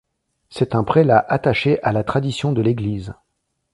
C'est un prélat attaché à la tradition de l'Église.